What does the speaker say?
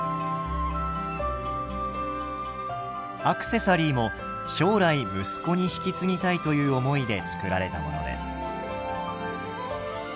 アクセサリーも将来息子に引き継ぎたいという思いで作られたものです。